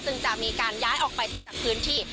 ซึ่งจะมีการย้ายออกไปจากพื้นที่